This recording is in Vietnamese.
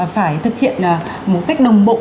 phải thực hiện một cách đồng bộ